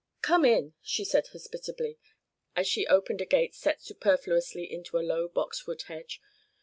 "Come in," she said hospitably, as she opened a gate set superfluously into the low boxwood hedge.